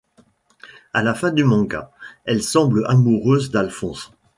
À la fin du manga, elle semble amoureuse d'Alphonse.